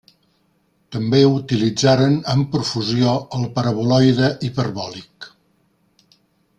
També utilitzaren amb profusió el paraboloide hiperbòlic.